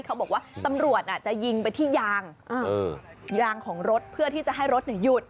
เขาบอกว่าตำรวจจะยิงไปที่ยางยางของรถเพื่อที่จะให้รถหยุด